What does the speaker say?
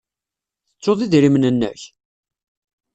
Tettuḍ idrimen-nnek?